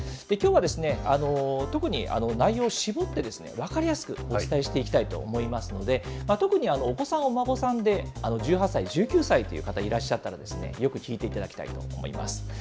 きょうは、特に内容を絞って、分かりやすくお伝えしていきたいと思いますので、特にお子さん、お孫さんで１８歳、１９歳という方、いらっしゃったら、よく聞いていただきたいと思います。